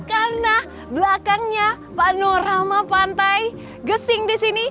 karena belakangnya panorama pantai gesing di sini